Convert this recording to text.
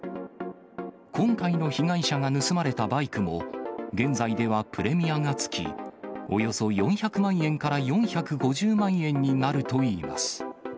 今回の被害者が盗まれたバイクも、現在ではプレミアがつき、およそ４００万円から４５０万円になるといいます。